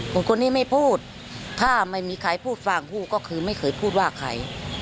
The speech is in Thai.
คนนี้ไม่พูดถ้าไม่มีใครพูดฟังพูดก็คือไม่เคยพูดว่าใคร